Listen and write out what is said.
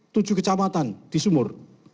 tujuh kecamatan di sumur